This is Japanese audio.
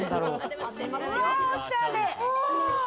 おしゃれ。